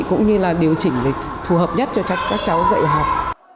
cũng như là điều chỉnh để phù hợp nhất cho các cháu dạy học